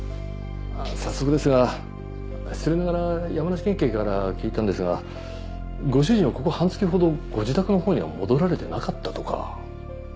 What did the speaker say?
早速ですが失礼ながら山梨県警から聞いたんですがご主人はここ半月ほどご自宅のほうには戻られてなかったとか。